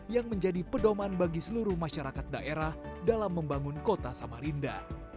yang menjadi pedoman bagi seluruh masyarakat daerah dalam membangun kota samarinda